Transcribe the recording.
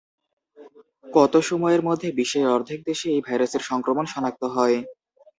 কত সময়ের মধ্যে বিশ্বের অর্ধেক দেশে এই ভাইরাসের সংক্রমণ শনাক্ত হয়?